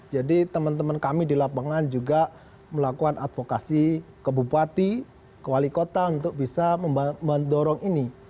jadi teman teman kami di lapangan juga melakukan advokasi ke bupati ke wali kota untuk bisa mendorong ini